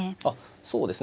そうですね。